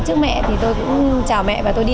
trước mẹ thì tôi cũng chào mẹ và tôi đi